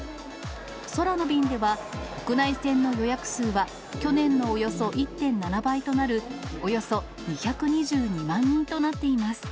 空の便では、国内線の予約数は去年のおよそ１．７倍となるおよそ２２２万人となっています。